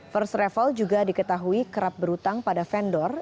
first travel juga diketahui kerap berhutang pada vendor